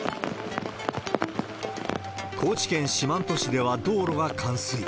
高知県四万十市では道路が冠水。